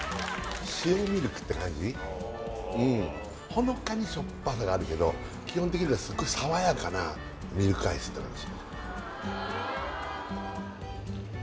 ほのかにしょっぱさがあるけど基本的にはすっごい爽やかなミルクアイスって感じ